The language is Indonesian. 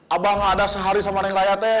abang gak ada sehari sama neng raya teh